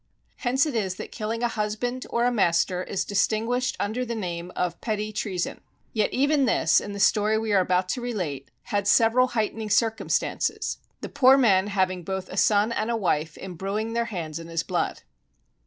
Hence it is that killing a husband, or a master is distinguished under the name of petit treason. Yet even this, in the story we are about to relate, had several heightening circumstances, the poor man having both a son and a wife imbrueing their hands in his blood.